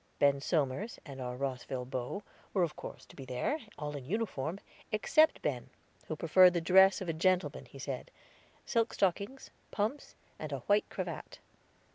Ben Somers, and our Rosville beaux, were of course to be there, all in uniform, except Ben, who preferred the dress of a gentleman, he said, silk stockings, pumps, and a white cravat.